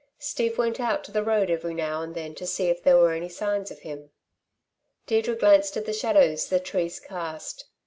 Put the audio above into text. Steve went out to the road every now and then to see if there were any signs of him. Deirdre glanced at the shadows the trees cast.